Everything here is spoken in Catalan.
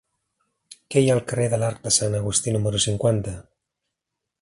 Què hi ha al carrer de l'Arc de Sant Agustí número cinquanta?